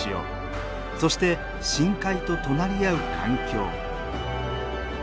そして深海と隣り合う環境。